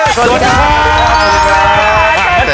สวัสดีครับ